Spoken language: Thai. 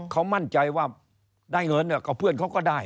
เขามั่นใจว่าได้เงินก็เพื่อนเขาก็ได้